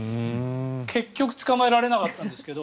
結局捕まえられなかったんですけど。